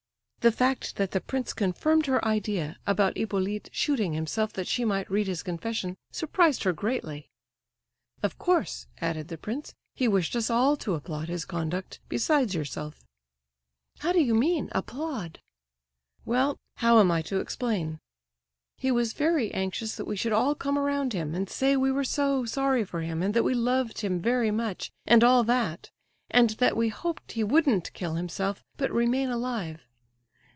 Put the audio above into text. The fact that the prince confirmed her idea, about Hippolyte shooting himself that she might read his confession, surprised her greatly. "Of course," added the prince, "he wished us all to applaud his conduct—besides yourself." "How do you mean—applaud?" "Well—how am I to explain? He was very anxious that we should all come around him, and say we were so sorry for him, and that we loved him very much, and all that; and that we hoped he wouldn't kill himself, but remain alive.